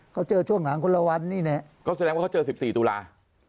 ก็แสดงว่าเค้าเจอ๑๔ตุลาคม